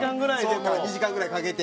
そうか２時間ぐらいかけて。